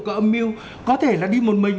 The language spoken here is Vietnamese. cỡ mưu có thể là đi một mình